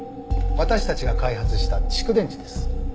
私たちが開発した蓄電池です。